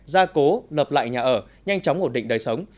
gia cố lập lại nhà ở nhanh chóng ổn định đời sống